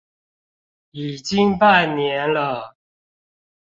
已經半年了